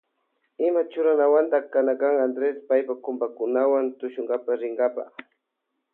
Ima churakunawanta kana Andres paypa kumpakunawa tushunkapa rinkapa.